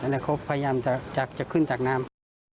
แล้วเขาพยายามจะขึ้นจากน้ำ